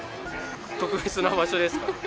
特別な場所ですかね。